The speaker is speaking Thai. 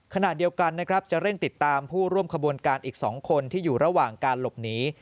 ขณะเดียวกันนะครับจะเร่งติดตามผู้ร่วมขบวนการอีก๒คนที่อยู่ระหว่างการหลบหนี